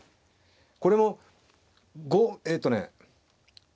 これもえとね